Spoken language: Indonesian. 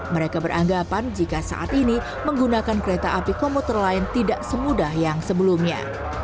mereka beranggapan jika saat ini menggunakan kereta api komuter lain tidak semudah yang sebelumnya